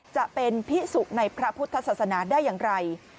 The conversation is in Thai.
จะเป็นพิสุในพระพุทธศาสนาได้อย่างไร